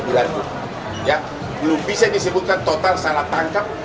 belum bisa disebutkan total salah tangkap